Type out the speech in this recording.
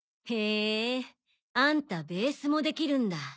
へぇアンタベースもできるんだ。